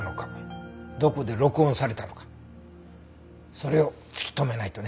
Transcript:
それを突き止めないとね。